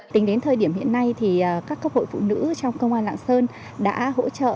tính đến thời điểm hiện nay các cấp hội phụ nữ trong công an lạng sơn đã hỗ trợ